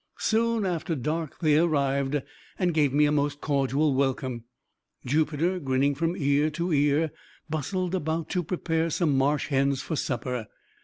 Soon after dark they arrived, and gave me a most cordial welcome. Jupiter, grinning from ear to ear, bustled about to prepare some marsh hens for supper.